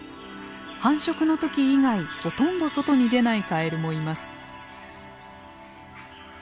繁殖の時以外ほとんど外に出ないカエルもいます。